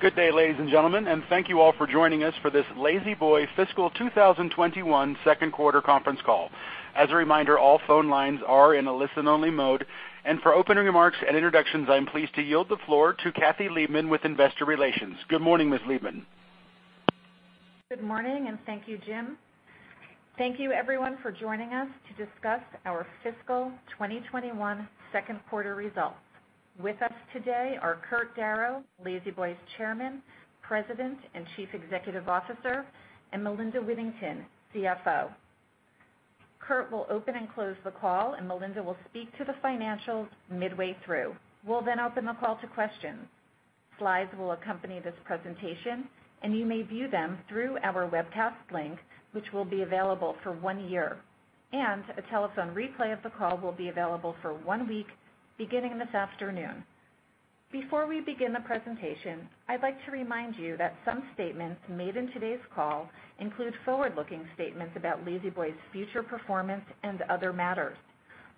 Good day, ladies and gentlemen, and thank you all for joining us for this La-Z-Boy fiscal 2021 second quarter conference call. As a reminder, all phone lines are in a listen-only mode. For opening remarks and introductions, I'm pleased to yield the floor to Kathy Liebmann with investor relations. Good morning, Ms. Liebmann. Good morning. Thank you, Jim. Thank you, everyone, for joining us to discuss our fiscal 2021 second quarter results. With us today are Kurt Darrow, La-Z-Boy's Chairman, President, and Chief Executive Officer, and Melinda Whittington, CFO. Kurt will open and close the call, and Melinda will speak to the financials midway through. We'll open the call to questions. Slides will accompany this presentation. You may view them through our webcast link which will be available for one year. A telephone replay of the call will be available for one week beginning this afternoon. Before we begin the presentation, I'd like to remind you that some statements made in today's call include forward-looking statements about La-Z-Boy's future performance and other matters.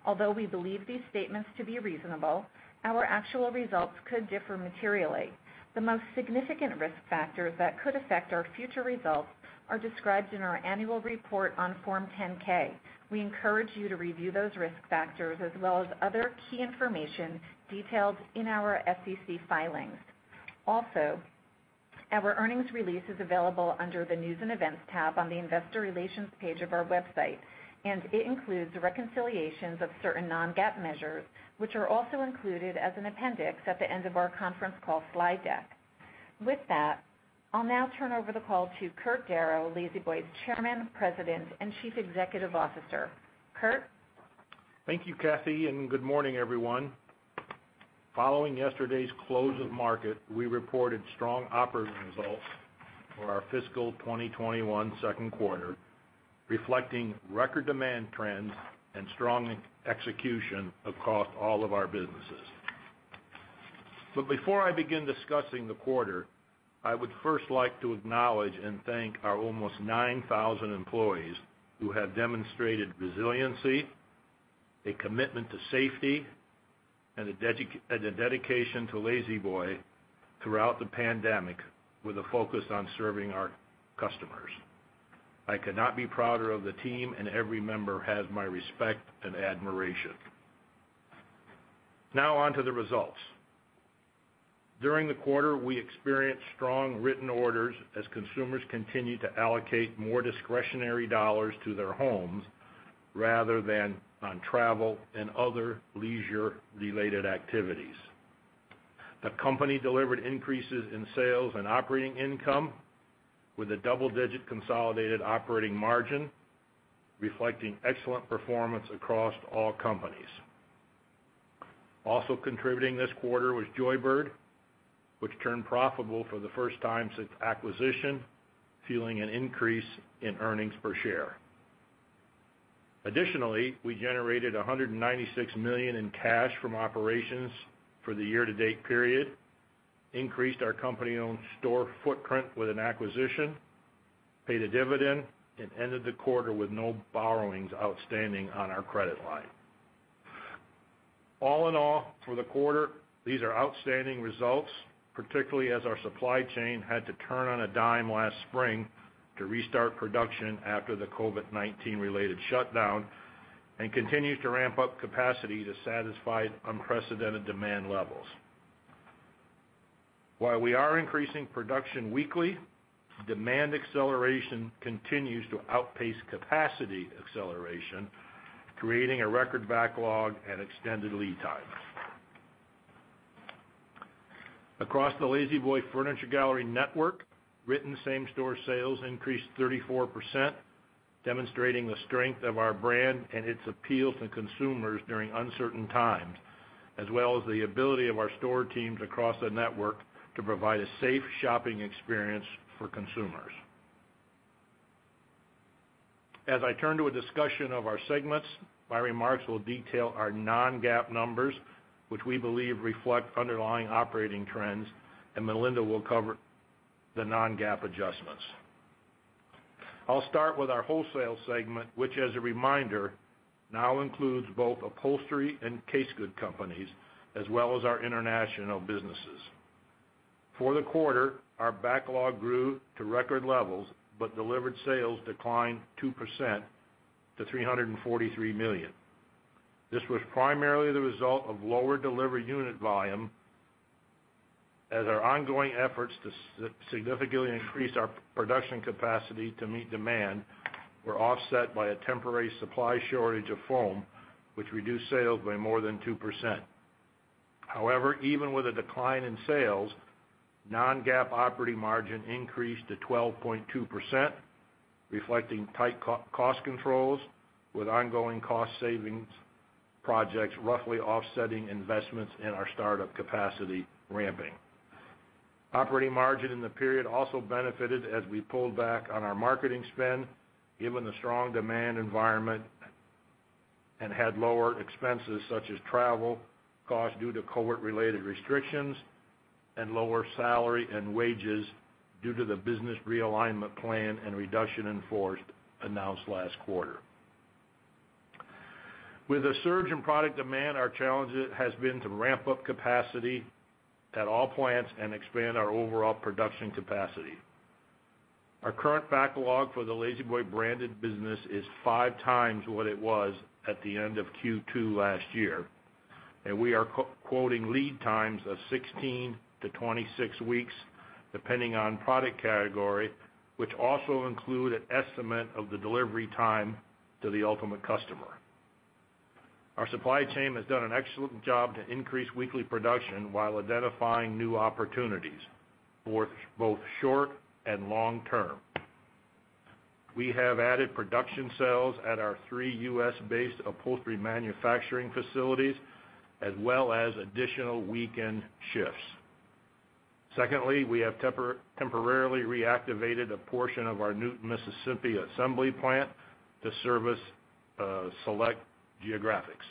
Although we believe these statements to be reasonable, our actual results could differ materially. The most significant risk factors that could affect our future results are described in our annual report on Form 10-K. We encourage you to review those risk factors as well as other key information detailed in our SEC filings. Also, our earnings release is available under the News and Events tab on the Investor Relations page of our website, and it includes the reconciliations of certain non-GAAP measures, which are also included as an appendix at the end of our conference call slide deck. With that, I'll now turn over the call to Kurt Darrow, La-Z-Boy's Chairman, President, and Chief Executive Officer. Kurt? Thank you, Kathy, and good morning, everyone. Following yesterday's close of market, we reported strong operating results for our fiscal 2021 second quarter, reflecting record demand trends and strong execution across all of our businesses. Before I begin discussing the quarter, I would first like to acknowledge and thank our almost 9,000 employees who have demonstrated resiliency, a commitment to safety, and a dedication to La-Z-Boy throughout the pandemic, with a focus on serving our customers. I could not be prouder of the team, and every member has my respect and admiration. Now on to the results. During the quarter, we experienced strong written orders as consumers continued to allocate more discretionary dollars to their homes rather than on travel and other leisure-related activities. The company delivered increases in sales and operating income with a double-digit consolidated operating margin, reflecting excellent performance across all companies. Also contributing this quarter was Joybird, which turned profitable for the first time since acquisition, fueling an increase in earnings per share. Additionally, we generated $196 million in cash from operations for the year-to-date period, increased our company-owned store footprint with an acquisition, paid a dividend, and ended the quarter with no borrowings outstanding on our credit line. All in all, for the quarter, these are outstanding results, particularly as our supply chain had to turn on a dime last spring to restart production after the COVID-19 related shutdown and continues to ramp up capacity to satisfy unprecedented demand levels. While we are increasing production weekly, demand acceleration continues to outpace capacity acceleration, creating a record backlog and extended lead times. Across the La-Z-Boy Furniture Galleries network, written same-store sales increased 34%, demonstrating the strength of our brand and its appeal to consumers during uncertain times, as well as the ability of our store teams across the network to provide a safe shopping experience for consumers. As I turn to a discussion of our segments, my remarks will detail our non-GAAP numbers, which we believe reflect underlying operating trends, and Melinda will cover the non-GAAP adjustments. I'll start with our wholesale segment, which as a reminder, now includes both upholstery and casegood companies, as well as our international businesses. For the quarter, our backlog grew to record levels, but delivered sales declined 2% to $343 million. This was primarily the result of lower delivery unit volume as our ongoing efforts to significantly increase our production capacity to meet demand were offset by a temporary supply shortage of foam, which reduced sales by more than 2%. However, even with a decline in sales, non-GAAP operating margin increased to 12.2%, reflecting tight cost controls, with ongoing cost savings projects roughly offsetting investments in our startup capacity ramping. Operating margin in the period also benefited as we pulled back on our marketing spend, given the strong demand environment and had lower expenses such as travel costs due to COVID-related restrictions and lower salary and wages due to the business realignment plan and reduction in force announced last quarter. With a surge in product demand, our challenge has been to ramp up capacity at all plants and expand our overall production capacity. Our current backlog for the La-Z-Boy branded business is 5x what it was at the end of Q2 last year, and we are quoting lead times of 16-26 weeks, depending on product category, which also include an estimate of the delivery time to the ultimate customer. Our supply chain has done an excellent job to increase weekly production while identifying new opportunities for both short and long-term. We have added production cells at our three U.S.-based upholstery manufacturing facilities, as well as additional weekend shifts. Secondly, we have temporarily reactivated a portion of our Newton, Mississippi assembly plant to service select geographics.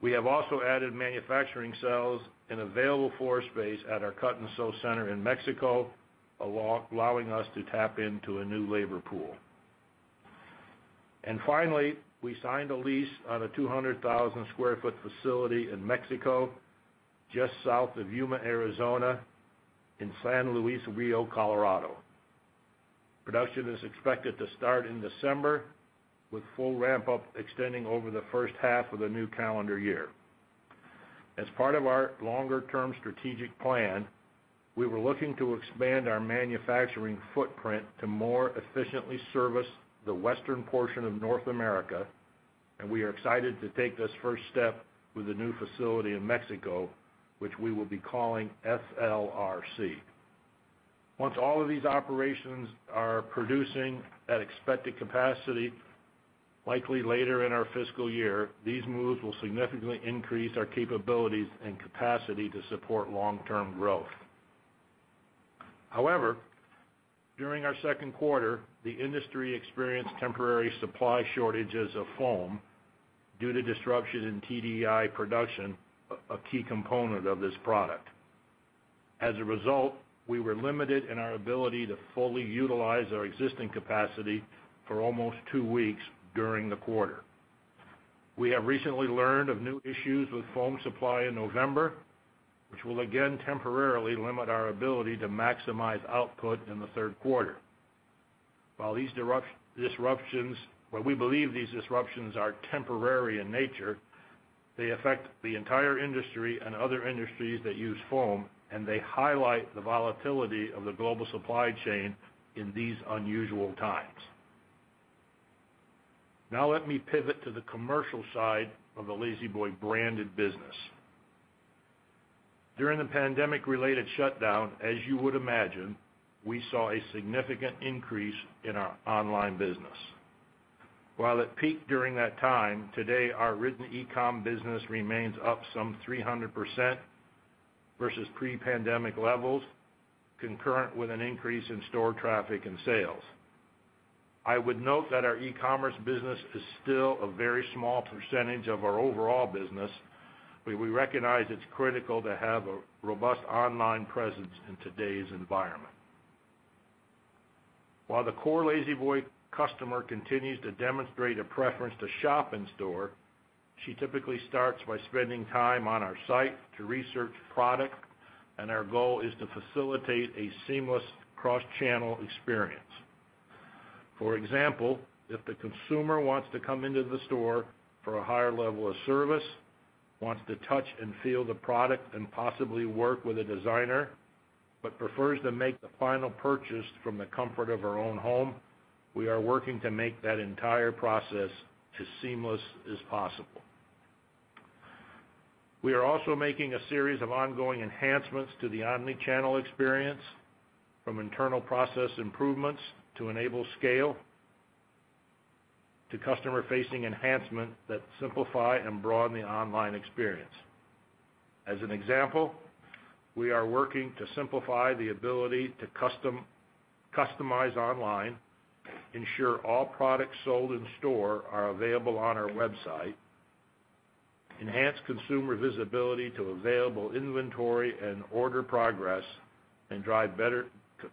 We have also added manufacturing cells in available floor space at our cut and sew center in Mexico, allowing us to tap into a new labor pool. Finally, we signed a lease on a 200,000 sq ft facility in Mexico, just south of Yuma, Arizona, in San Luis Río Colorado. Production is expected to start in December, with full ramp-up extending over the first half of the new calendar year. As part of our longer-term strategic plan, we were looking to expand our manufacturing footprint to more efficiently service the western portion of North America, and we are excited to take this first step with a new facility in Mexico, which we will be calling SLRC. Once all of these operations are producing at expected capacity, likely later in our fiscal year, these moves will significantly increase our capabilities and capacity to support long-term growth. However, during our second quarter, the industry experienced temporary supply shortages of foam due to disruption in TDI production, a key component of this product. As a result, we were limited in our ability to fully utilize our existing capacity for almost two weeks during the quarter. We have recently learned of new issues with foam supply in November, which will again temporarily limit our ability to maximize output in the third quarter. While we believe these disruptions are temporary in nature, they affect the entire industry and other industries that use foam, they highlight the volatility of the global supply chain in these unusual times. Let me pivot to the commercial side of the La-Z-Boy branded business. During the pandemic-related shutdown, as you would imagine, we saw a significant increase in our online business. While at peak during that time, today, our written e-com business remains up some 300% versus pre-pandemic levels, concurrent with an increase in store traffic and sales. I would note that our e-commerce business is still a very small percentage of our overall business, but we recognize it's critical to have a robust online presence in today's environment. While the core La-Z-Boy customer continues to demonstrate a preference to shop in store, she typically starts by spending time on our site to research product, and our goal is to facilitate a seamless cross-channel experience. For example, if the consumer wants to come into the store for a higher level of service, wants to touch and feel the product and possibly work with a designer, but prefers to make the final purchase from the comfort of her own home, we are working to make that entire process as seamless as possible. We are also making a series of ongoing enhancements to the omni-channel experience, from internal process improvements to enable scale, to customer-facing enhancement that simplify and broaden the online experience. As an example, we are working to simplify the ability to customize online, ensure all products sold in store are available on our website, enhance consumer visibility to available inventory and order progress, and drive better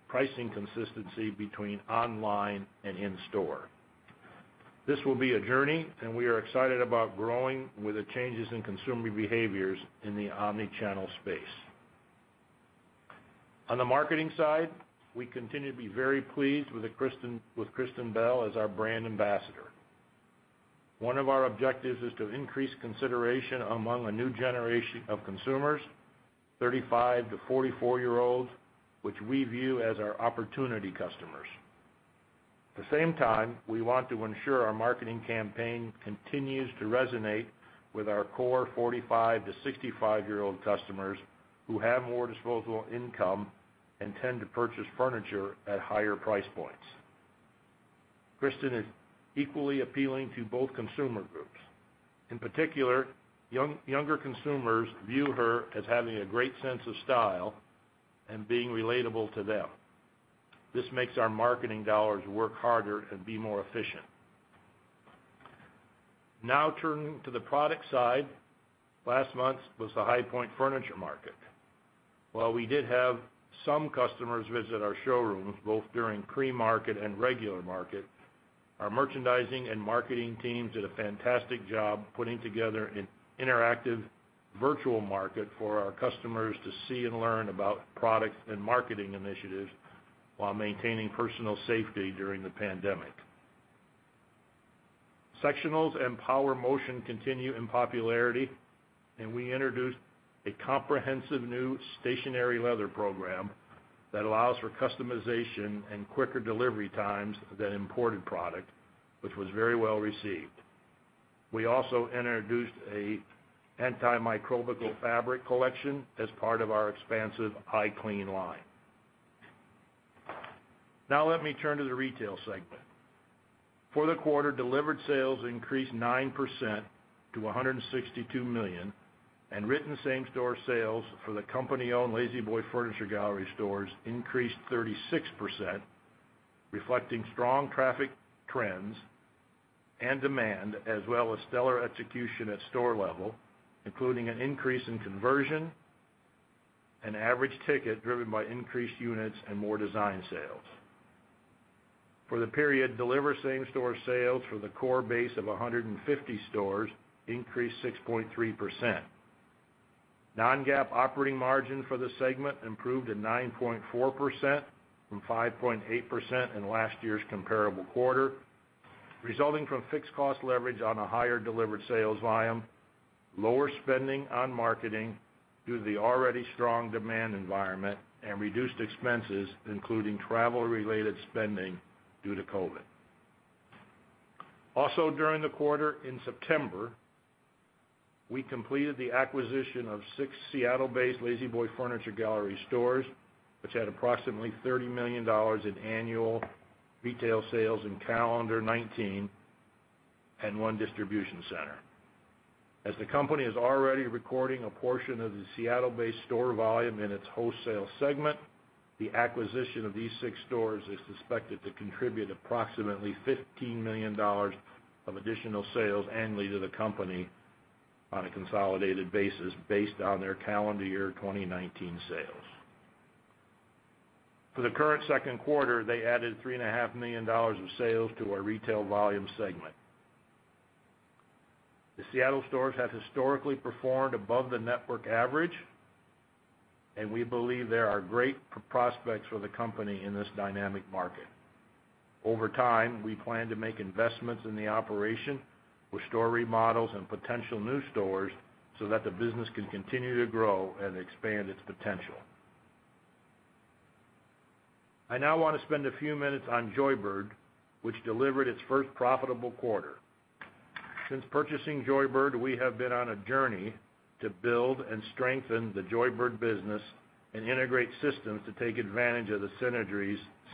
pricing consistency between online and in store. This will be a journey, we are excited about growing with the changes in consumer behaviors in the omni-channel space. On the marketing side, we continue to be very pleased with Kristen Bell as our brand ambassador. One of our objectives is to increase consideration among a new generation of consumers, 35-44 year-olds, which we view as our opportunity customers. At the same time, we want to ensure our marketing campaign continues to resonate with our core 45-65 year-old customers who have more disposable income and tend to purchase furniture at higher price points. Kristen is equally appealing to both consumer groups. In particular, younger consumers view her as having a great sense of style and being relatable to them. This makes our marketing dollars work harder and be more efficient. Now turning to the product side, last month was the High Point Furniture Market. While we did have some customers visit our showrooms, both during pre-market and regular market, our merchandising and marketing teams did a fantastic job putting together an interactive virtual market for our customers to see and learn about products and marketing initiatives while maintaining personal safety during the pandemic. Sectionals and power motion continue in popularity, we introduced a comprehensive new stationary leather program that allows for customization and quicker delivery times than imported product, which was very well received. We also introduced an antimicrobial fabric collection as part of our expansive iClean line. Now let me turn to the retail segment. For the quarter, delivered sales increased 9% to $162 million, and written same-store sales for the company-owned La-Z-Boy Furniture Galleries stores increased 36%, reflecting strong traffic trends and demand, as well as stellar execution at store level, including an increase in conversion and average ticket driven by increased units and more design sales. For the period, delivered same-store sales for the core base of 150 stores increased 6.3%. Non-GAAP operating margin for the segment improved to 9.4% from 5.8% in last year's comparable quarter, resulting from fixed cost leverage on a higher delivered sales volume, lower spending on marketing due to the already strong demand environment, and reduced expenses, including travel-related spending due to COVID. Also during the quarter, in September, we completed the acquisition of six Seattle-based La-Z-Boy Furniture Galleries stores, which had approximately $30 million in annual retail sales in calendar 2019 and one distribution center. As the company is already recording a portion of the Seattle-based store volume in its wholesale segment, the acquisition of these six stores is suspected to contribute approximately $15 million of additional sales annually to the company on a consolidated basis based on their calendar year 2019 sales. For the current second quarter, they added $3.5 million of sales to our retail volume segment. The Seattle stores have historically performed above the network average, and we believe there are great prospects for the company in this dynamic market. Over time, we plan to make investments in the operation with store remodels and potential new stores so that the business can continue to grow and expand its potential. I now want to spend a few minutes on Joybird, which delivered its first profitable quarter. Since purchasing Joybird, we have been on a journey to build and strengthen the Joybird business and integrate systems to take advantage of the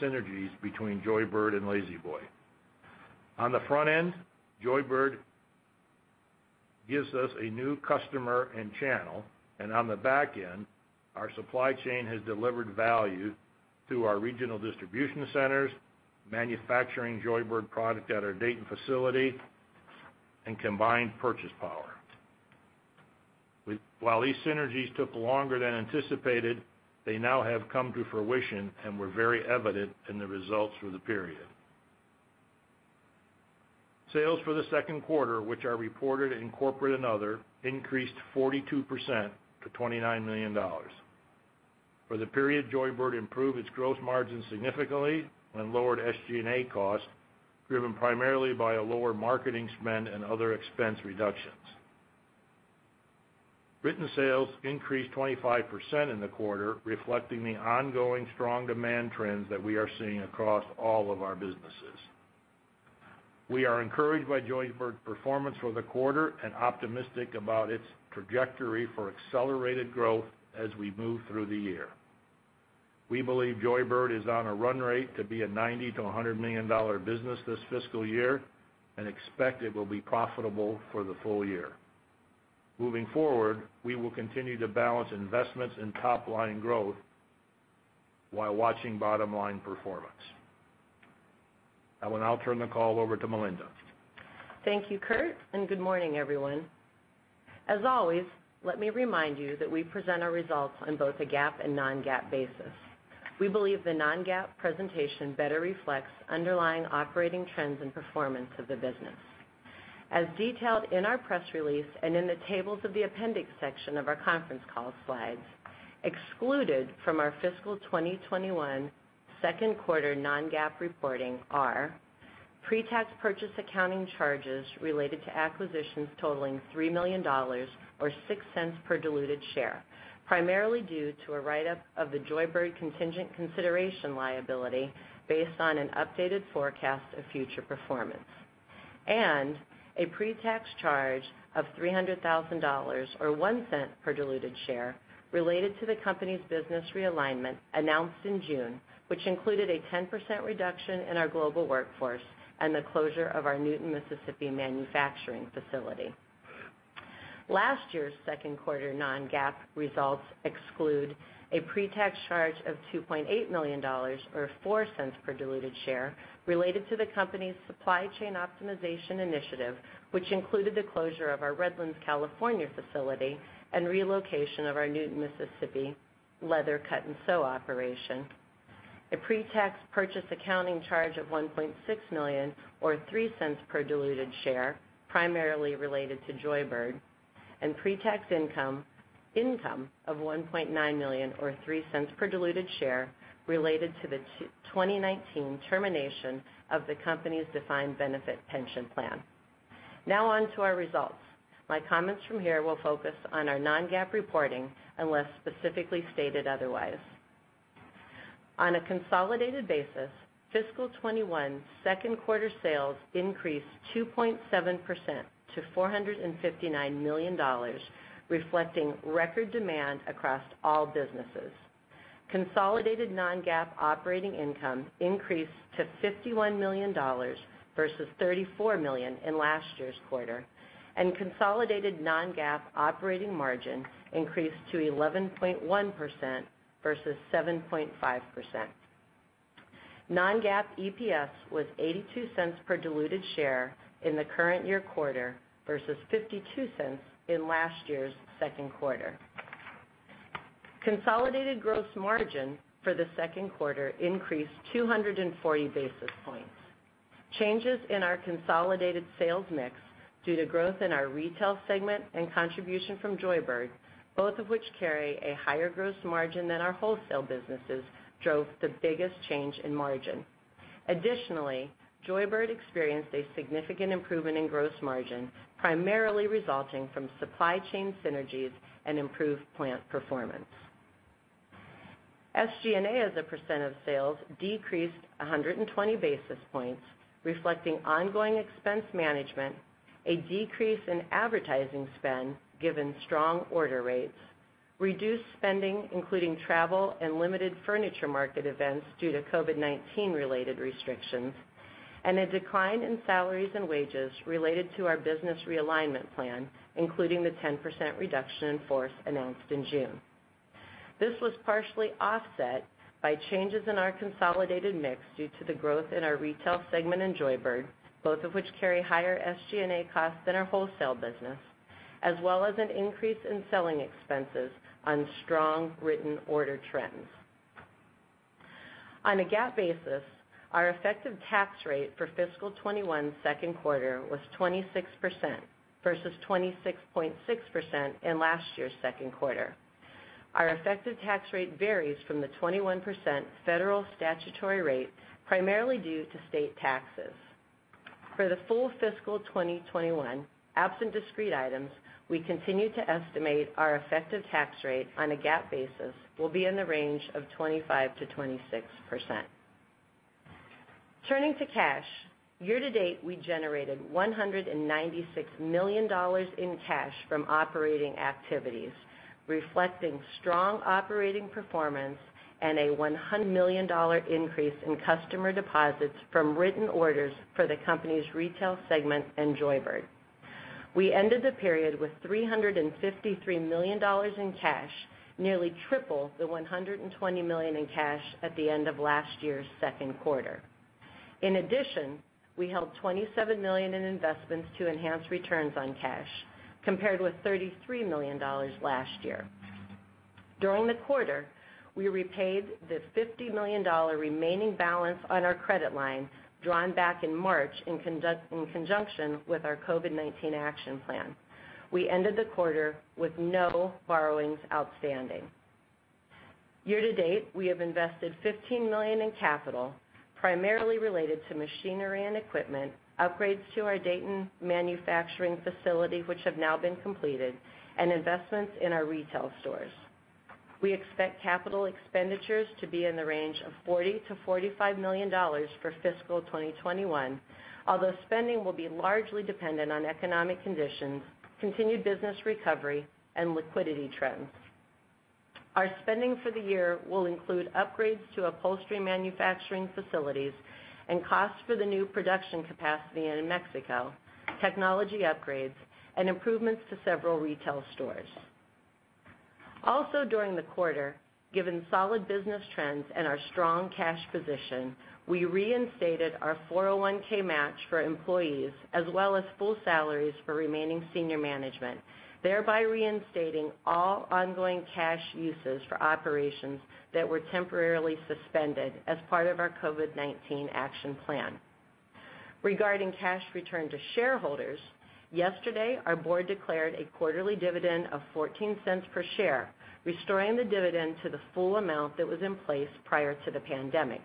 synergies between Joybird and La-Z-Boy. On the front end, Joybird gives us a new customer and channel, and on the back end, our supply chain has delivered value through our regional distribution centers, manufacturing Joybird product at our Dayton facility, and combined purchase power. While these synergies took longer than anticipated, they now have come to fruition and were very evident in the results for the period. Sales for the second quarter, which are reported in corporate and other, increased 42% to $29 million. For the period, Joybird improved its gross margin significantly and lowered SG&A costs, driven primarily by a lower marketing spend and other expense reductions. Written sales increased 25% in the quarter, reflecting the ongoing strong demand trends that we are seeing across all of our businesses. We are encouraged by Joybird's performance for the quarter and optimistic about its trajectory for accelerated growth as we move through the year. We believe Joybird is on a run rate to be a $90 million-$100 million business this fiscal year and expect it will be profitable for the full year. Moving forward, we will continue to balance investments in top-line growth while watching bottom-line performance. I will now turn the call over to Melinda. Thank you, Kurt, and good morning, everyone. As always, let me remind you that we present our results on both a GAAP and non-GAAP basis. We believe the non-GAAP presentation better reflects underlying operating trends and performance of the business. As detailed in our press release and in the tables of the appendix section of our conference call slides, excluded from our fiscal 2021 second quarter non-GAAP reporting are pre-tax purchase accounting charges related to acquisitions totaling $3 million, or $0.06 per diluted share, primarily due to a write-up of the Joybird contingent consideration liability based on an updated forecast of future performance, and a pre-tax charge of $300,000, or $0.01 per diluted share, related to the company's business realignment announced in June, which included a 10% reduction in our global workforce and the closure of our Newton, Mississippi manufacturing facility. Last year's second quarter non-GAAP results exclude a pre-tax charge of $2.8 million, or $0.04 per diluted share, related to the company's supply chain optimization initiative, which included the closure of our Redlands, California facility and relocation of our Newton, Mississippi leather cut-and-sew operation. A pretax purchase accounting charge of $1.6 million or $0.03 per diluted share, primarily related to Joybird, and pretax income of $1.9 million or $0.03 per diluted share related to the 2019 termination of the company's defined benefit pension plan. On to our results. My comments from here will focus on our non-GAAP reporting unless specifically stated otherwise. On a consolidated basis, fiscal 2021 second quarter sales increased 2.7% to $459 million, reflecting record demand across all businesses. Consolidated non-GAAP operating income increased to $51 million versus $34 million in last year's quarter, and consolidated non-GAAP operating margin increased to 11.1% versus 7.5%. Non-GAAP EPS was $0.82 per diluted share in the current year quarter versus $0.52 in last year's second quarter. Consolidated gross margin for the second quarter increased 240 basis points. Changes in our consolidated sales mix due to growth in our retail segment and contribution from Joybird, both of which carry a higher gross margin than our wholesale businesses, drove the biggest change in margin. Additionally, Joybird experienced a significant improvement in gross margin, primarily resulting from supply chain synergies and improved plant performance. SG&A as a percent of sales decreased 120 basis points, reflecting ongoing expense management, a decrease in advertising spend given strong order rates, reduced spending, including travel and limited furniture market events due to COVID-19 related restrictions, and a decline in salaries and wages related to our business realignment plan, including the 10% reduction in force announced in June. This was partially offset by changes in our consolidated mix due to the growth in our retail segment and Joybird, both of which carry higher SG&A costs than our wholesale business, as well as an increase in selling expenses on strong written order trends. On a GAAP basis, our effective tax rate for fiscal 2021 second quarter was 26% versus 26.6% in last year's second quarter. Our effective tax rate varies from the 21% federal statutory rate, primarily due to state taxes. For the full fiscal 2021, absent discrete items, we continue to estimate our effective tax rate on a GAAP basis will be in the range of 25%-26%. Turning to cash. Year to date, we generated $196 million in cash from operating activities, reflecting strong operating performance and a $100 million increase in customer deposits from written orders for the company's retail segment and Joybird. We ended the period with $353 million in cash, nearly triple the $120 million in cash at the end of last year's second quarter. In addition, we held $27 million in investments to enhance returns on cash, compared with $33 million last year. During the quarter, we repaid the $50 million remaining balance on our credit line, drawn back in March in conjunction with our COVID-19 action plan. We ended the quarter with no borrowings outstanding. Year to date, we have invested $15 million in capital, primarily related to machinery and equipment, upgrades to our Dayton manufacturing facility, which have now been completed, and investments in our retail stores. We expect capital expenditures to be in the range of $40 million-$45 million for fiscal 2021, although spending will be largely dependent on economic conditions, continued business recovery, and liquidity trends. Our spending for the year will include upgrades to upholstery manufacturing facilities and costs for the new production capacity in Mexico, technology upgrades, and improvements to several retail stores. Also during the quarter, given solid business trends and our strong cash position, we reinstated our 401(k) match for employees as well as full salaries for remaining senior management, thereby reinstating all ongoing cash uses for operations that were temporarily suspended as part of our COVID-19 action plan. Regarding cash return to shareholders, yesterday, our board declared a quarterly dividend of $0.14 per share, restoring the dividend to the full amount that was in place prior to the pandemic.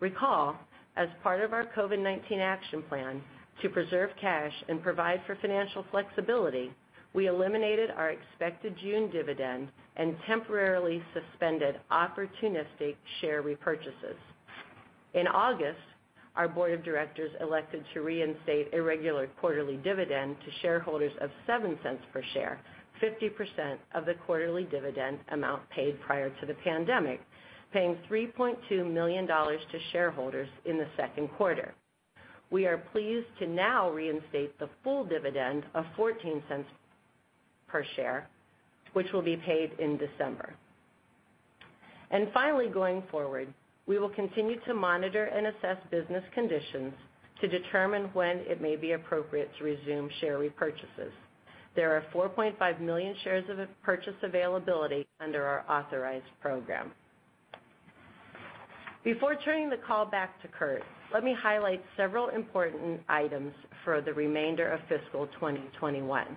Recall, as part of our COVID-19 action plan to preserve cash and provide for financial flexibility, we eliminated our expected June dividend and temporarily suspended opportunistic share repurchases. In August, our board of directors elected to reinstate a regular quarterly dividend to shareholders of $0.07 per share, 50% of the quarterly dividend amount paid prior to the pandemic, paying $3.2 million to shareholders in the second quarter. We are pleased to now reinstate the full dividend of $0.14 per share, which will be paid in December. Finally, going forward, we will continue to monitor and assess business conditions to determine when it may be appropriate to resume share repurchases. There are 4.5 million shares of purchase availability under our authorized program. Before turning the call back to Kurt, let me highlight several important items for the remainder of fiscal 2021.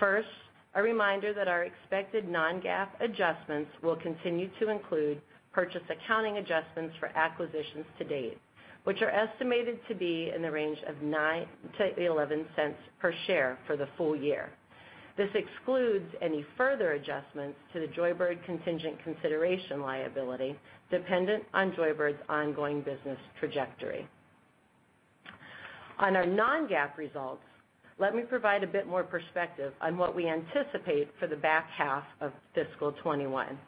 First, a reminder that our expected non-GAAP adjustments will continue to include purchase accounting adjustments for acquisitions to date, which are estimated to be in the range of $0.09-$0.11 per share for the full year. This excludes any further adjustments to the Joybird contingent consideration liability, dependent on Joybird's ongoing business trajectory. On our non-GAAP results, let me provide a bit more perspective on what we anticipate for the back half of fiscal 2021.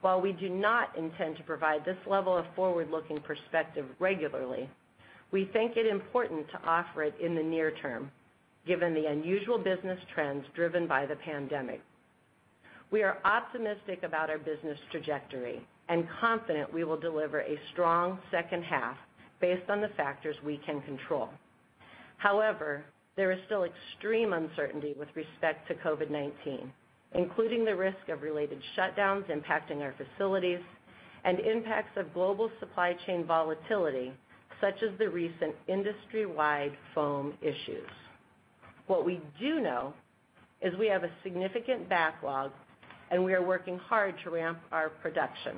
While we do not intend to provide this level of forward-looking perspective regularly, we think it important to offer it in the near term, given the unusual business trends driven by the pandemic. We are optimistic about our business trajectory and confident we will deliver a strong second half based on the factors we can control. However, there is still extreme uncertainty with respect to COVID-19, including the risk of related shutdowns impacting our facilities and impacts of global supply chain volatility, such as the recent industry-wide foam issues. What we do know is we have a significant backlog and we are working hard to ramp our production,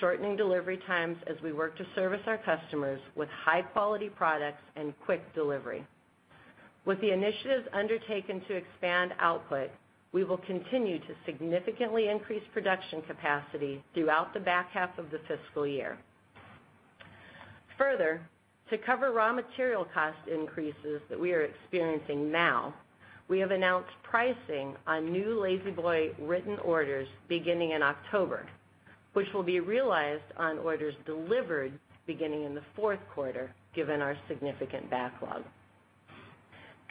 shortening delivery times as we work to service our customers with high-quality products and quick delivery. With the initiatives undertaken to expand output, we will continue to significantly increase production capacity throughout the back half of the fiscal year. Further, to cover raw material cost increases that we are experiencing now, we have announced pricing on new La-Z-Boy written orders beginning in October, which will be realized on orders delivered beginning in the fourth quarter, given our significant backlog.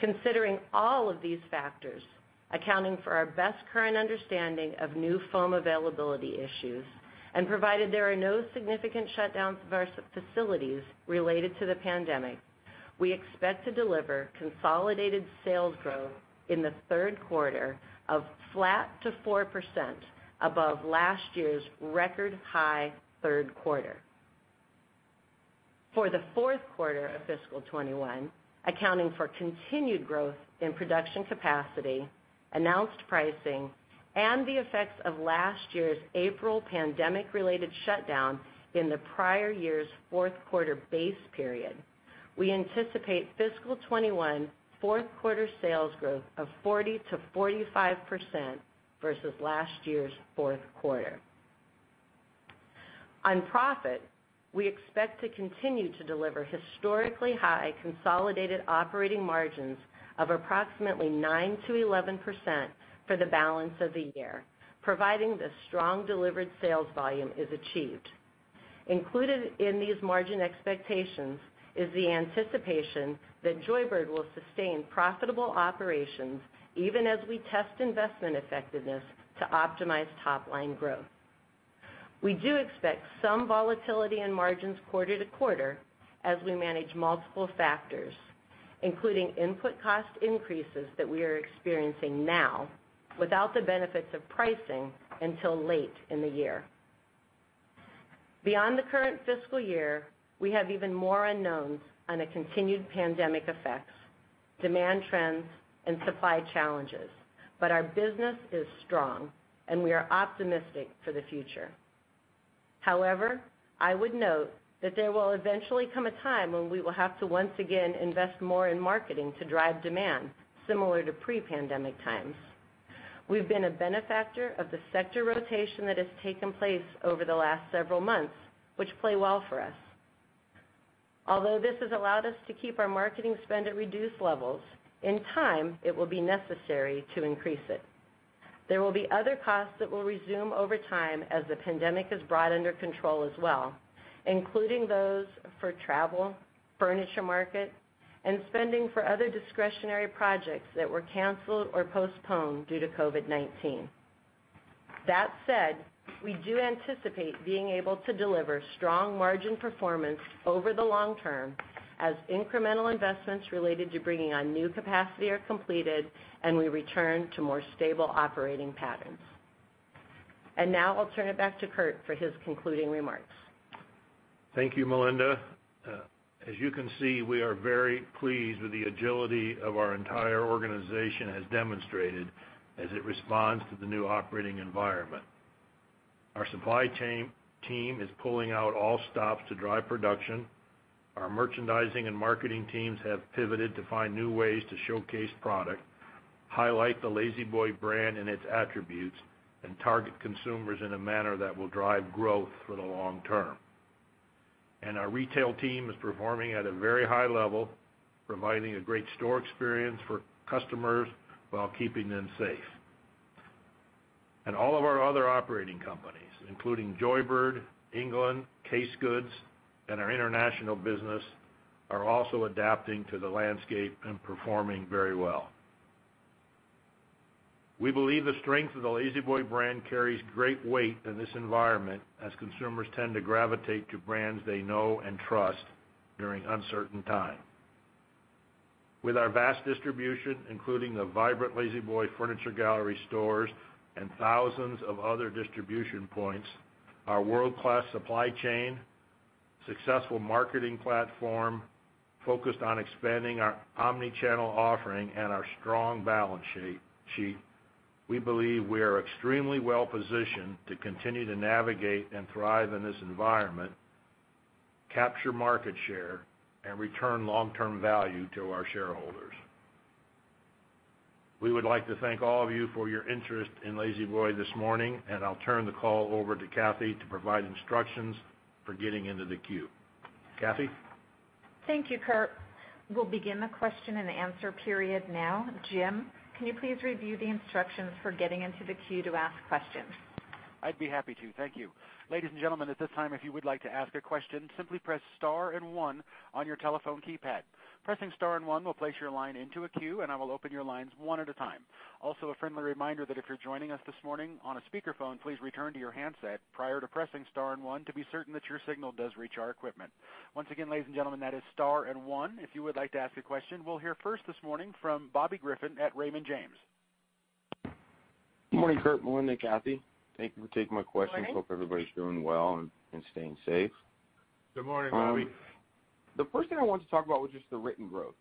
Considering all of these factors, accounting for our best current understanding of new foam availability issues, and provided there are no significant shutdowns of our facilities related to the pandemic, we expect to deliver consolidated sales growth in the third quarter of flat to 4% above last year's record-high third quarter. For the fourth quarter of fiscal 2021, accounting for continued growth in production capacity, announced pricing, and the effects of last year's April pandemic-related shutdown in the prior year's fourth-quarter base period, we anticipate fiscal 2021 fourth quarter sales growth of 40%-45% versus last year's fourth quarter. On profit, we expect to continue to deliver historically high consolidated operating margins of approximately 9%-11% for the balance of the year, providing the strong delivered sales volume is achieved. Included in these margin expectations is the anticipation that Joybird will sustain profitable operations even as we test investment effectiveness to optimize top-line growth. We do expect some volatility in margins quarter to quarter as we manage multiple factors, including input cost increases that we are experiencing now without the benefits of pricing until late in the year. Beyond the current fiscal year, we have even more unknowns on the continued pandemic effects, demand trends, and supply challenges, but our business is strong, and we are optimistic for the future. I would note that there will eventually come a time when we will have to once again invest more in marketing to drive demand, similar to pre-pandemic times. We've been a benefactor of the sector rotation that has taken place over the last several months, which play well for us. This has allowed us to keep our marketing spend at reduced levels, in time, it will be necessary to increase it. There will be other costs that will resume over time as the pandemic is brought under control as well, including those for travel, furniture market, and spending for other discretionary projects that were canceled or postponed due to COVID-19. That said, we do anticipate being able to deliver strong margin performance over the long term as incremental investments related to bringing on new capacity are completed and we return to more stable operating patterns. Now I'll turn it back to Kurt for his concluding remarks. Thank you, Melinda. As you can see, we are very pleased with the agility of our entire organization has demonstrated as it responds to the new operating environment. Our supply team is pulling out all stops to drive production. Our merchandising and marketing teams have pivoted to find new ways to showcase product, highlight the La-Z-Boy brand and its attributes, and target consumers in a manner that will drive growth for the long term. Our retail team is performing at a very high level, providing a great store experience for customers while keeping them safe. All of our other operating companies, including Joybird, England, Case Goods, and our international business, are also adapting to the landscape and performing very well. We believe the strength of the La-Z-Boy brand carries great weight in this environment as consumers tend to gravitate to brands they know and trust during uncertain times. With our vast distribution, including the vibrant La-Z-Boy Furniture Galleries stores and thousands of other distribution points, our world-class supply chain, successful marketing platform focused on expanding our omni-channel offering, and our strong balance sheet, we believe we are extremely well-positioned to continue to navigate and thrive in this environment, capture market share, and return long-term value to our shareholders. We would like to thank all of you for your interest in La-Z-Boy this morning, and I'll turn the call over to Kathy to provide instructions for getting into the queue. Kathy? Thank you, Kurt. We'll begin the question and answer period now. Jim, can you please review the instructions for getting into the queue to ask questions? I'd be happy to. Thank you. Ladies and gentlemen, at this time, if you would like to ask a question, simply press star and one on your telephone keypad. Pressing star and one will place your line into a queue, and I will open your lines one at a time. Also, a friendly reminder that if you're joining us this morning on a speakerphone, please return to your handset prior to pressing star and one to be certain that your signal does reach our equipment. Once again, ladies and gentlemen, that is star and one, if you would like to ask a question. We'll hear first this morning from Bobby Griffin at Raymond James. Good morning, Kurt, Melinda, Kathy. Thank you for taking my question. Good morning. Hope everybody's doing well and staying safe. Good morning, Bobby. The first thing I wanted to talk about was just the written growth.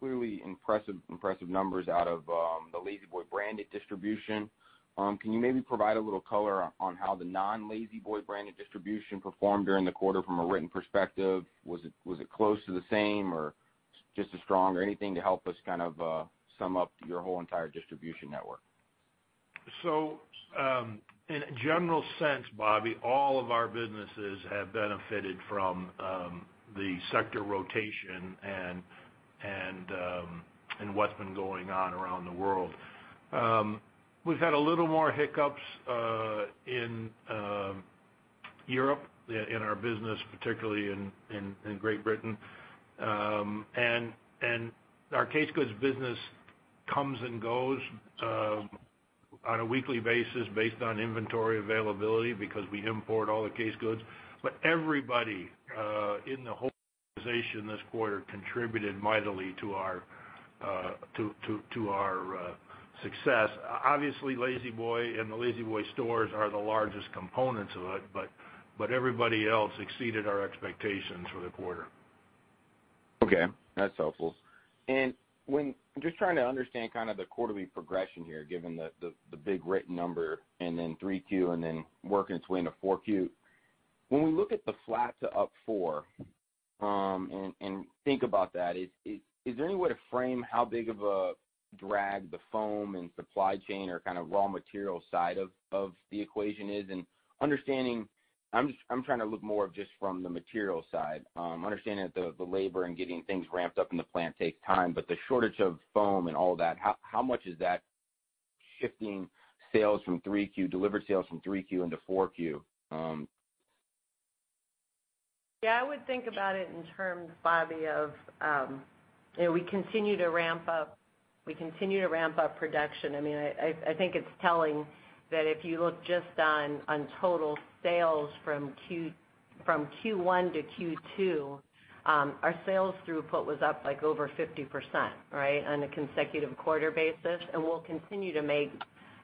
Clearly impressive numbers out of the La-Z-Boy branded distribution. Can you maybe provide a little color on how the non La-Z-Boy branded distribution performed during the quarter from a written perspective? Was it close to the same or just as strong or anything to help us sum up your whole entire distribution network? In a general sense, Bobby, all of our businesses have benefited from the sector rotation and what's been going on around the world. We've had a little more hiccups in Europe in our business, particularly in Great Britain. Our Case Goods business comes and goes on a weekly basis based on inventory availability because we import all the Case Goods. Everybody in the whole organization this quarter contributed mightily to our success. Obviously, La-Z-Boy and the La-Z-Boy stores are the largest components of it, but everybody else exceeded our expectations for the quarter. Okay, that's helpful. I'm just trying to understand the quarterly progression here, given the big written number and then 3Q and then working its way into 4Q. When we look at the flat to up four and think about that, is there any way to frame how big of a drag the foam and supply chain or raw material side of the equation is? I'm trying to look more of just from the material side, understanding that the labor and getting things ramped up in the plant takes time, but the shortage of foam and all that, how much is that shifting delivered sales from 3Q into 4Q? I would think about it in terms, Bobby, of we continue to ramp up production. I think it's telling that if you look just on total sales from Q1 to Q2, our sales throughput was up over 50% on a consecutive quarter basis, and we'll continue to make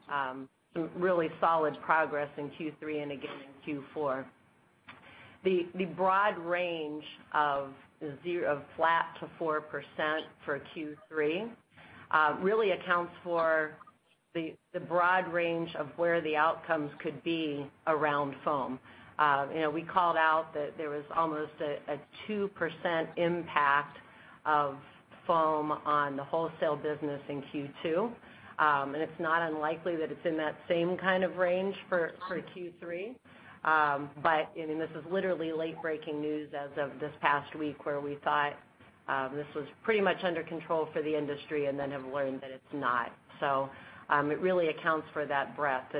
some really solid progress in Q3 and again in Q4. The broad range of flat to 4% for Q3 really accounts for the broad range of where the outcomes could be around foam. We called out that there was almost a 2% impact of foam on the wholesale business in Q2. It's not unlikely that it's in that same kind of range for Q3. This is literally late-breaking news as of this past week where we thought this was pretty much under control for the industry and then have learned that it's not. It really accounts for that breadth.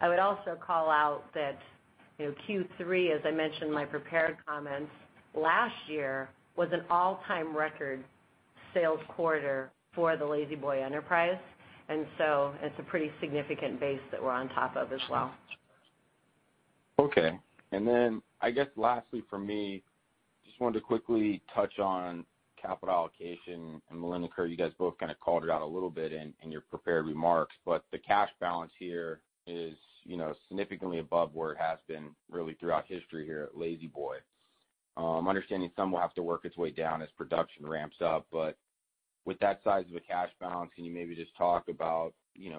I would also call out that Q3, as I mentioned in my prepared comments, last year was an all-time record sales quarter for the La-Z-Boy enterprise, and so it's a pretty significant base that we're on top of as well. Okay. Then I guess lastly from me, just wanted to quickly touch on capital allocation, and Melinda, Kurt, you guys both kind of called it out a little bit in your prepared remarks, but the cash balance here is significantly above where it has been really throughout history here at La-Z-Boy. I'm understanding some will have to work its way down as production ramps up. With that size of a cash balance, can you maybe just talk about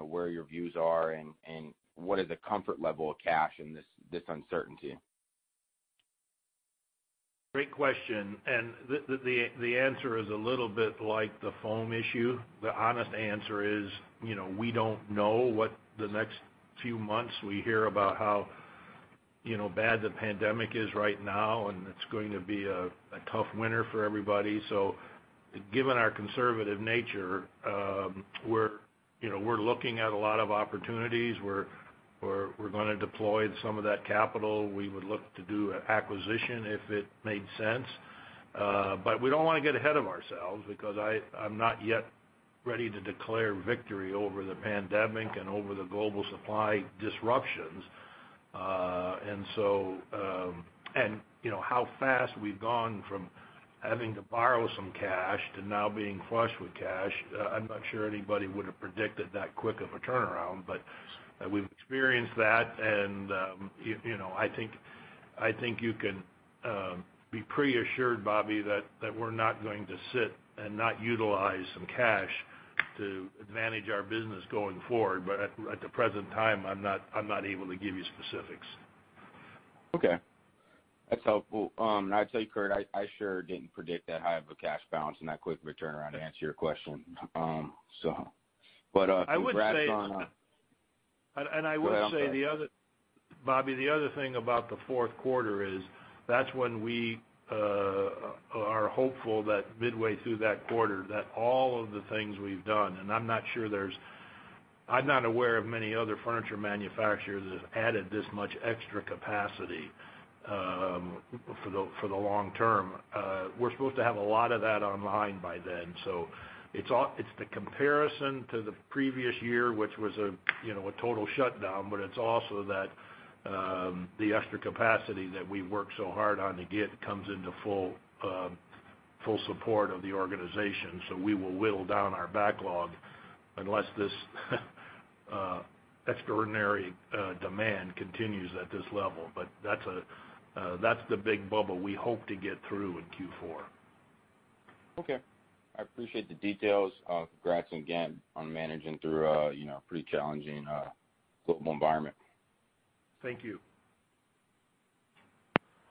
where your views are and what is the comfort level of cash in this uncertainty? Great question. The answer is a little bit like the foam issue. The honest answer is, we hear about how bad the pandemic is right now, and it's going to be a tough winter for everybody. Given our conservative nature, we're looking at a lot of opportunities. We're going to deploy some of that capital. We would look to do an acquisition if it made sense. We don't want to get ahead of ourselves because I'm not yet ready to declare victory over the pandemic and over the global supply disruptions. How fast we've gone from having to borrow some cash to now being flush with cash, I'm not sure anybody would've predicted that quick of a turnaround, but we've experienced that, and I think you can be pretty assured, Bobby, that we're not going to sit and not utilize some cash to advantage our business going forward. At the present time, I'm not able to give you specifics. Okay. That's helpful. I tell you, Kurt, I sure didn't predict that high of a cash balance and that quick of a turnaround to answer your question. And I would say- Go ahead. I'm sorry. Bobby, the other thing about the fourth quarter is that's when we are hopeful that midway through that quarter that all of the things we've done, and I'm not aware of many other furniture manufacturers that have added this much extra capacity for the long term. We're supposed to have a lot of that online by then. It's the comparison to the previous year, which was a total shutdown, but it's also that the extra capacity that we worked so hard on to get comes into full support of the organization. We will whittle down our backlog unless this extraordinary demand continues at this level. That's the big bubble we hope to get through in Q4. Okay. I appreciate the details. Congrats again on managing through a pretty challenging global environment. Thank you.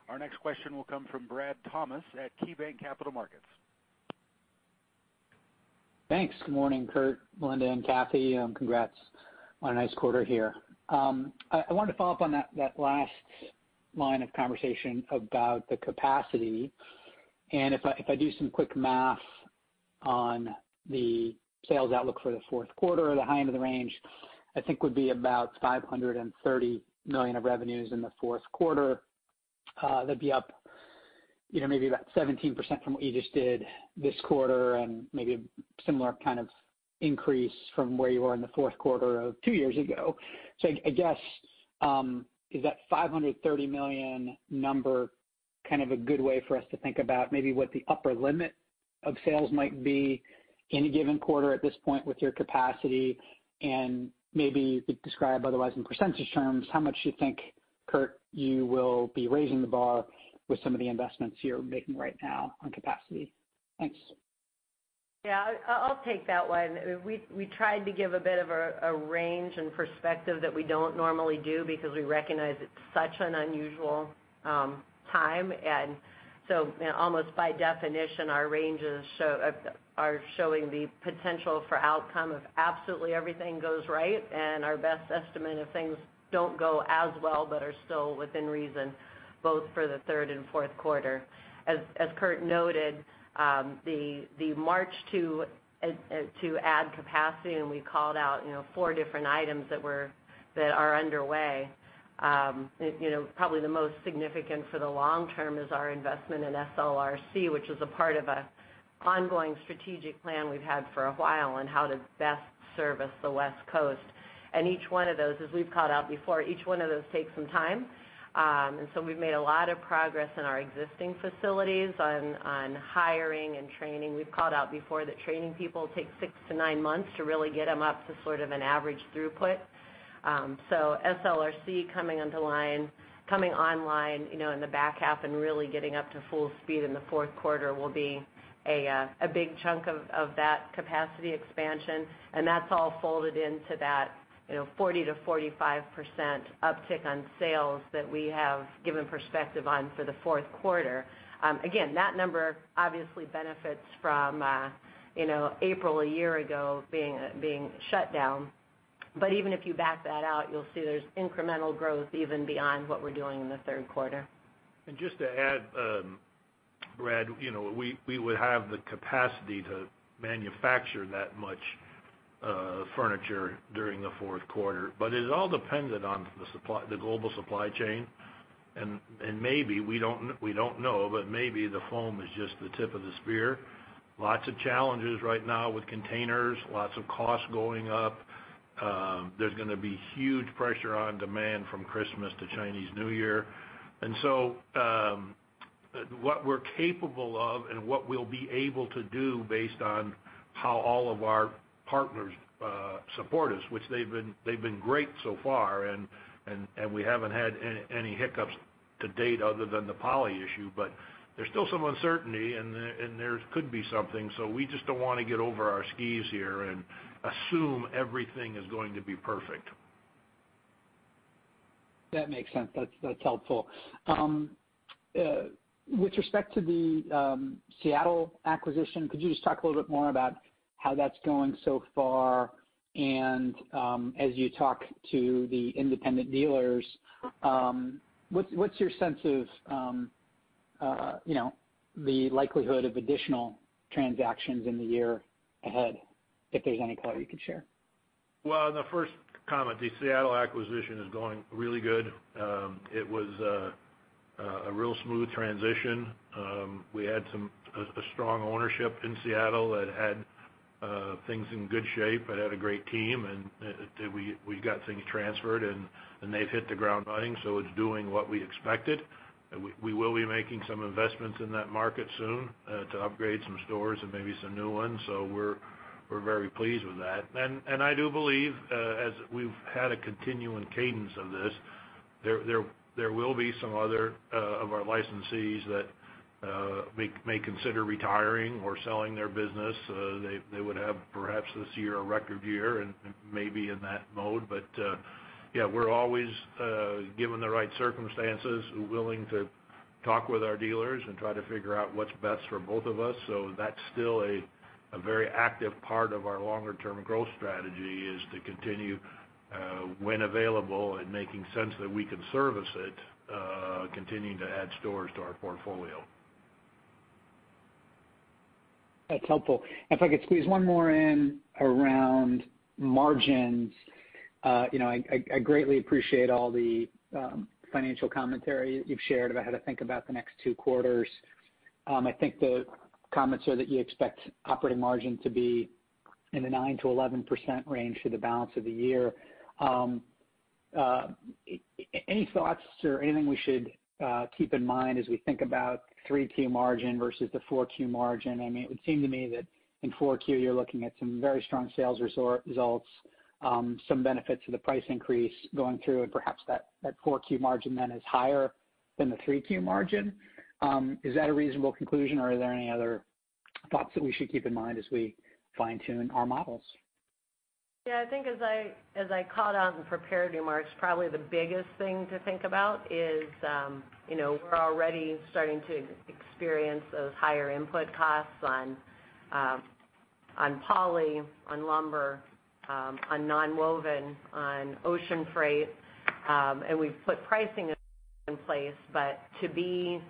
Our next question will come from Brad Thomas at KeyBanc Capital Markets. Thanks. Good morning, Kurt, Melinda, and Kathy. Congrats on a nice quarter here. I wanted to follow up on that last line of conversation about the capacity. If I do some quick math on the sales outlook for the fourth quarter, the high end of the range, I think, would be about $530 million of revenues in the fourth quarter. That'd be up maybe about 17% from what you just did this quarter, and maybe a similar kind of increase from where you were in the fourth quarter of two years ago. I guess, is that $530 million number kind of a good way for us to think about maybe what the upper limit of sales might be any given quarter at this point with your capacity and maybe you could describe otherwise in percentage terms, how much you think, Kurt, you will be raising the bar with some of the investments you're making right now on capacity? Thanks. I'll take that one. We tried to give a bit of a range and perspective that we don't normally do because we recognize it's such an unusual time, and so almost by definition, our ranges are showing the potential for outcome of absolutely everything goes right and our best estimate if things don't go as well but are still within reason, both for the third and fourth quarter. As Kurt noted, the march to add capacity, and we called out four different items that are underway. Probably the most significant for the long term is our investment in SLRC, which is a part of an ongoing strategic plan we've had for a while on how to best service the West Coast. Each one of those, as we've called out before, each one of those takes some time. We've made a lot of progress in our existing facilities on hiring and training. We've called out before that training people takes six to nine months to really get them up to sort of an average throughput. SLRC coming online in the back half and really getting up to full speed in the fourth quarter will be a big chunk of that capacity expansion, and that's all folded into that 40%-45% uptick on sales that we have given perspective on for the fourth quarter. Again, that number obviously benefits from April a year ago being shut down. Even if you back that out, you'll see there's incremental growth even beyond what we're doing in the third quarter. Just to add, Brad, we would have the capacity to manufacture that much furniture during the fourth quarter, but it all depended on the global supply chain. Maybe, we don't know, but maybe the foam is just the tip of the spear. Lots of challenges right now with containers, lots of costs going up. There's going to be huge pressure on demand from Christmas to Chinese New Year. What we're capable of and what we'll be able to do based on how all of our partners support us, which they've been great so far, and we haven't had any hiccups to date other than the poly issue, but there's still some uncertainty, and there could be something. We just don't want to get over our skis here and assume everything is going to be perfect. That makes sense. That's helpful. With respect to the Seattle acquisition, could you just talk a little bit more about how that's going so far and, as you talk to the independent dealers, what's your sense of the likelihood of additional transactions in the year ahead, if there's any color you could share. The first comment, the Seattle acquisition is going really good. It was a real smooth transition. We had a strong ownership in Seattle that had things in good shape, that had a great team, and we got things transferred, and they've hit the ground running. It's doing what we expected. We will be making some investments in that market soon to upgrade some stores and maybe some new ones. We're very pleased with that. I do believe, as we've had a continuing cadence of this, there will be some other of our licensees that may consider retiring or selling their business. They would have, perhaps this year, a record year and may be in that mode. Yeah, we're always, given the right circumstances, willing to talk with our dealers and try to figure out what's best for both of us. That's still a very active part of our longer-term growth strategy is to continue, when available, and making sense that we can service it, continuing to add stores to our portfolio. That's helpful. If I could squeeze one more in around margins. I greatly appreciate all the financial commentary you've shared about how to think about the next two quarters. I think the comments are that you expect operating margin to be in the 9%-11% range for the balance of the year. Any thoughts or anything we should keep in mind as we think about 3Q margin versus the 4Q margin? It would seem to me that in 4Q, you're looking at some very strong sales results, some benefit to the price increase going through, and perhaps that 4Q margin then is higher than the 3Q margin. Is that a reasonable conclusion, or are there any other thoughts that we should keep in mind as we fine-tune our models? Yeah, I think as I called out in prepared remarks, probably the biggest thing to think about is we're already starting to experience those higher input costs on poly, on lumber, on nonwoven, on ocean freight. We've put pricing in place. To be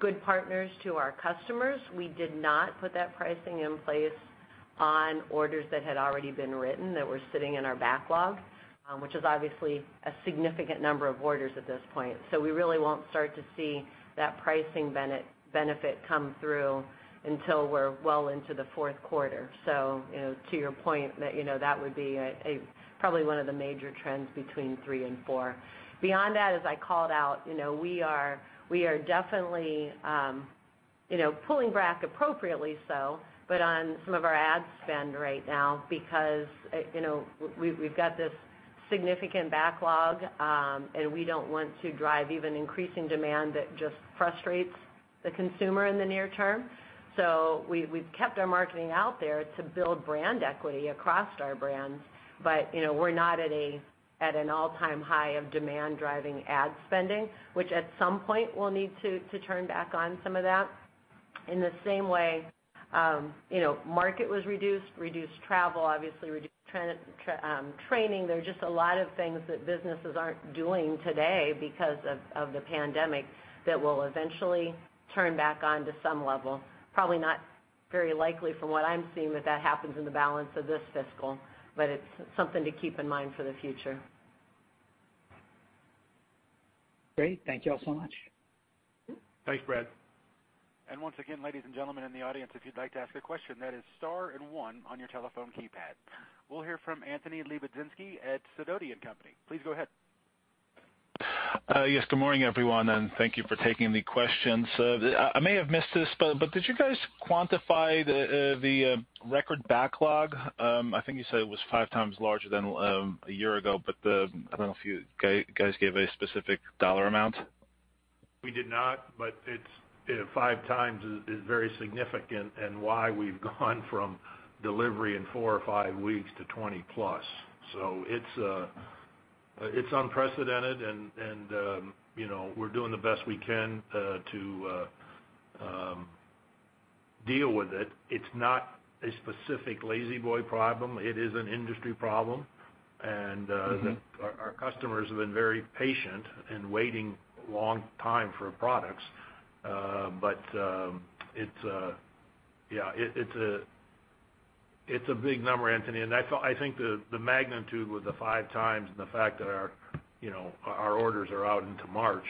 good partners to our customers, we did not put that pricing in place on orders that had already been written that were sitting in our backlog, which is obviously a significant number of orders at this point. We really won't start to see that pricing benefit come through until we're well into the fourth quarter. To your point, that would be probably one of the major trends between three and four. Beyond that, as I called out, we are definitely pulling back appropriately so, on some of our ad spend right now, because we've got this significant backlog, and we don't want to drive even increasing demand that just frustrates the consumer in the near term. We've kept our marketing out there to build brand equity across our brands. We're not at an all-time high of demand driving ad spending, which at some point, we'll need to turn back on some of that. In the same way, marketing was reduced travel, obviously reduced training. There are just a lot of things that businesses aren't doing today because of the pandemic that will eventually turn back on to some level. Probably not very likely from what I'm seeing that that happens in the balance of this fiscal, it's something to keep in mind for the future. Great. Thank you all so much. Thanks, Brad. Once again, ladies and gentlemen in the audience, if you'd like to ask a question, that is star and one on your telephone keypad. We'll hear from Anthony Lebiedzinski at Sidoti & Company. Please go ahead. Yes, good morning, everyone, and thank you for taking the questions. I may have missed this, did you guys quantify the record backlog? I think you said it was five times larger than a year ago, I don't know if you guys gave a specific dollar amount. We did not. 5x is very significant and why we've gone from delivery in four or five weeks to 20 plus. It's unprecedented, and we're doing the best we can to deal with it. It's not a specific La-Z-Boy problem. It is an industry problem. Our customers have been very patient in waiting a long time for products. It's a big number, Anthony. I think the magnitude with the 5x and the fact that our orders are out into March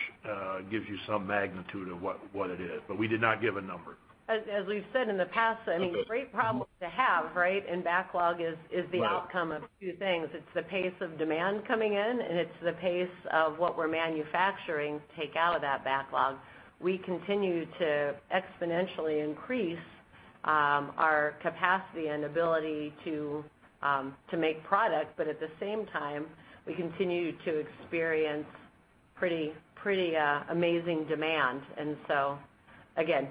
gives you some magnitude of what it is. We did not give a number. As we've said in the past, great problem to have, right? Backlog is the outcome- Right. of a few things. It's the pace of demand coming in, and it's the pace of what we're manufacturing to take out of that backlog. We continue to exponentially increase our capacity and ability to make product, but at the same time, we continue to experience pretty amazing demand. Again,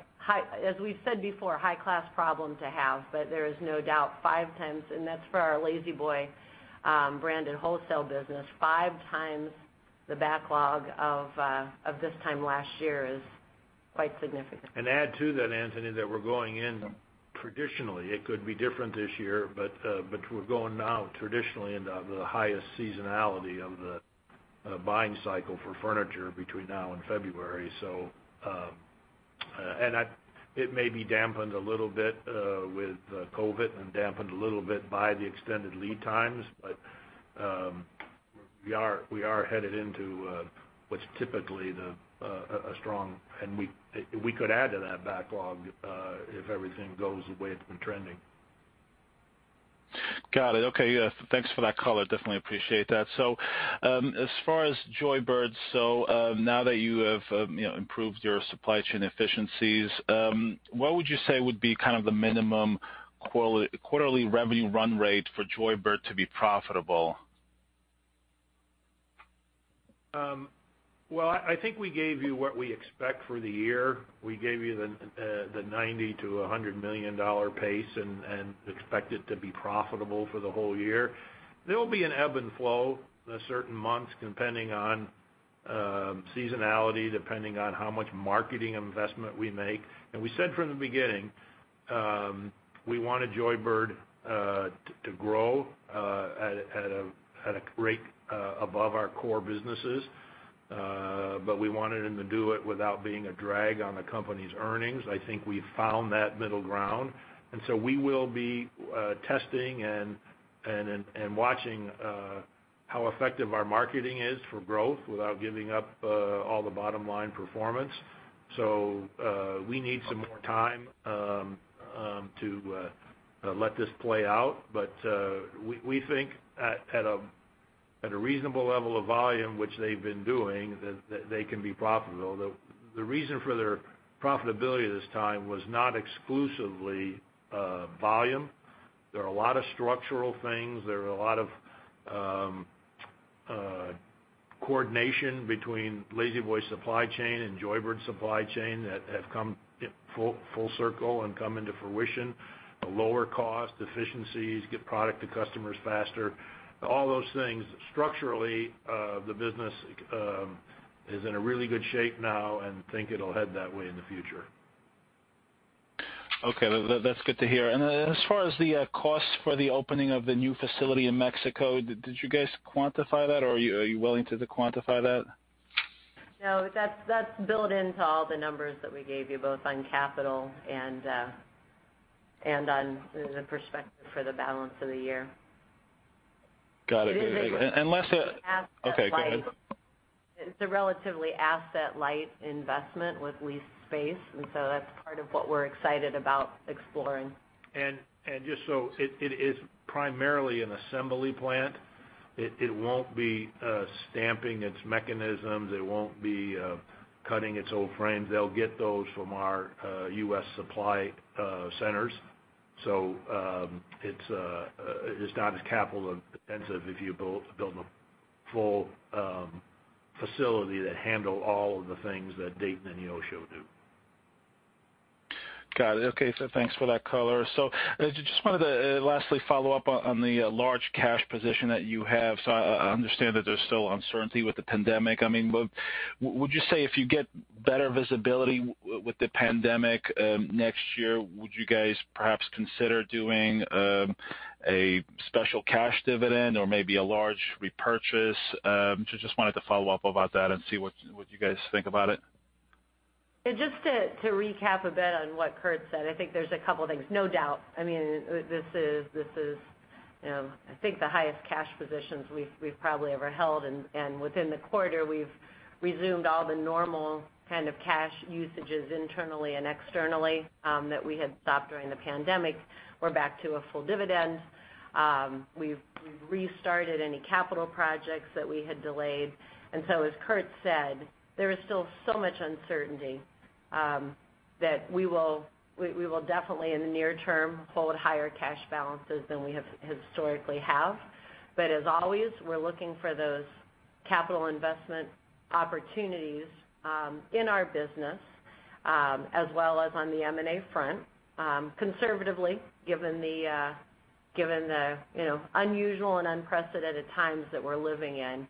as we've said before, high-class problem to have, but there is no doubt 5x, and that's for our La-Z-Boy branded wholesale business, five times the backlog of this time last year is quite significant. Add to that, Anthony, that we're going, it could be different this year, but we're going now traditionally into the highest seasonality of the buying cycle for furniture between now and February. It may be dampened a little bit with COVID and dampened a little bit by the extended lead times. We are headed into what's typically strong, and we could add to that backlog if everything goes the way it's been trending. Got it. Okay. Thanks for that color. Definitely appreciate that. As far as Joybird, so now that you have improved your supply chain efficiencies, what would you say would be kind of the minimum quarterly revenue run rate for Joybird to be profitable? Well, I think we gave you what we expect for the year. We gave you the $90 million-$100 million pace and expect it to be profitable for the whole year. There'll be an ebb and flow in certain months, depending on seasonality, depending on how much marketing investment we make. We said from the beginning, we wanted Joybird to grow at a rate above our core businesses, but we wanted them to do it without being a drag on the company's earnings. I think we've found that middle ground, and so we will be testing and watching how effective our marketing is for growth without giving up all the bottom-line performance. We need some more time to let this play out. We think at a reasonable level of volume, which they've been doing, that they can be profitable. The reason for their profitability this time was not exclusively volume. There are a lot of structural things. There are a lot of coordination between La-Z-Boy supply chain and Joybird supply chain that have come full circle and come into fruition. Lower cost, efficiencies, get product to customers faster, all those things. Structurally, the business is in a really good shape now, and think it'll head that way in the future. Okay. That's good to hear. As far as the cost for the opening of the new facility in Mexico, did you guys quantify that, or are you willing to quantify that? No, that's built into all the numbers that we gave you, both on capital and on the perspective for the balance of the year. Got it. It is. Okay, go ahead. It's a relatively asset-light investment with leased space, and so that's part of what we're excited about exploring. It is primarily an assembly plant. It won't be stamping its mechanisms. It won't be cutting its old frames. They'll get those from our U.S. supply centers. It's not as capital-intensive if you build a full facility that handle all of the things that Dayton and Neosho do. Got it. Okay. Thanks for that color. I just wanted to lastly follow up on the large cash position that you have. I understand that there's still uncertainty with the pandemic. I mean, would you say if you get better visibility with the pandemic next year, would you guys perhaps consider doing a special cash dividend or maybe a large repurchase? Just wanted to follow up about that and see what you guys think about it. Just to recap a bit on what Kurt said, I think there's a couple things. No doubt, this is I think the highest cash positions we've probably ever held, and within the quarter, we've resumed all the normal kind of cash usages internally and externally that we had stopped during the pandemic. We're back to a full dividend. We've restarted any capital projects that we had delayed. As Kurt said, there is still so much uncertainty that we will definitely, in the near term, hold higher cash balances than we have historically have. As always, we're looking for those capital investment opportunities in our business as well as on the M&A front, conservatively, given the unusual and unprecedented times that we're living in.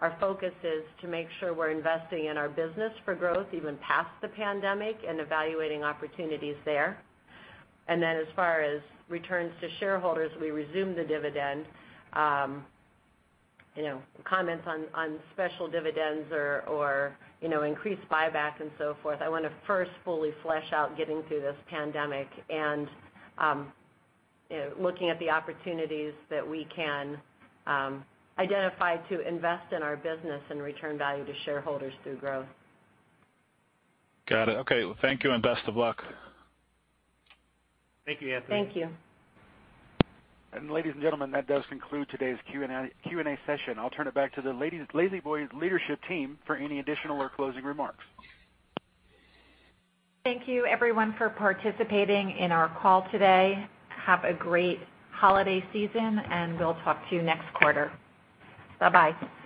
Our focus is to make sure we're investing in our business for growth, even past the pandemic, and evaluating opportunities there. As far as returns to shareholders, we resume the dividend. Comments on special dividends or increased buybacks and so forth, I want to first fully flesh out getting through this pandemic and looking at the opportunities that we can identify to invest in our business and return value to shareholders through growth. Got it. Okay. Thank you and best of luck. Thank you, Anthony. Thank you. Ladies and gentlemen, that does conclude today's Q&A session. I'll turn it back to the La-Z-Boy's leadership team for any additional or closing remarks. Thank you everyone for participating in our call today. Have a great holiday season, and we'll talk to you next quarter. Bye-bye.